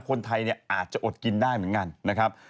คนไทยเนี่ยอาจจะอดกินได้เหมือนกันนะครับ